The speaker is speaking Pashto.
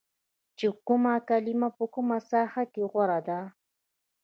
چې کومه کلمه په کومه ساحه کې غوره ده